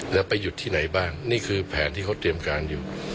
แล้วไปหยุดที่ไหนบ้างนี่คือแผนที่เขาเตรียมการอยู่